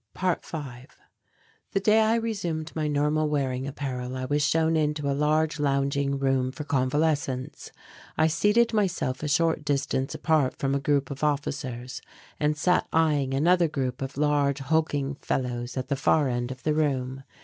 ~5~ The day I resumed my normal wearing apparel I was shown into a large lounging room for convalescents. I seated myself a short distance apart from a group of officers and sat eyeing another group of large, hulking fellows at the far end of the room.